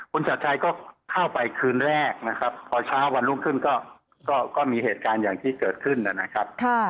คุณชัดชัยก็เข้าไปคืนแรกนะครับพอเช้าวันรุ่งขึ้นก็มีเหตุการณ์อย่างที่เกิดขึ้นนะครับ